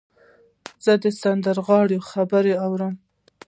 زه د سندرغاړو خبرې اورم.